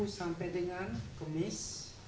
sampai dengan kemis